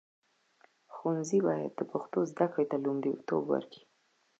ښوونځي باید د پښتو زده کړې ته لومړیتوب ورکړي.